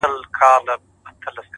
د پښتنو ماحول دی دلته تهمتوته ډېر دي”